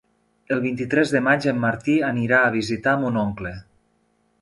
El vint-i-tres de maig en Martí anirà a visitar mon oncle.